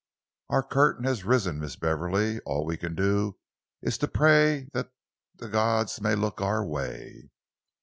Our curtain has risen, Miss Beverley. All we can do is to pray that the gods may look our way."